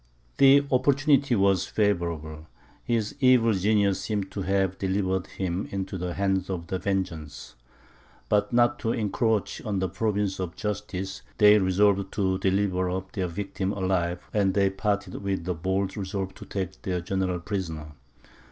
The opportunity was favourable; his evil genius seemed to have delivered him into the hands of vengeance. But not to encroach on the province of justice, they resolved to deliver up their victim alive; and they parted with the bold resolve to take their general prisoner.